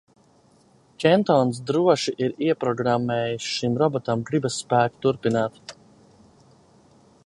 Kentons droši ir ieprogrammējis šim robotam gribasspēku turpināt!